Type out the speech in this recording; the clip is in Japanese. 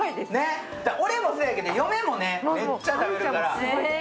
俺もそうやけど、ヨメもめっちゃ食べるから。